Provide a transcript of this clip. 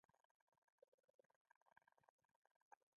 عشق د صبر او زغم ښوونه کوي.